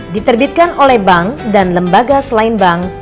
diterbitkan oleh bank dan lembaga selain bank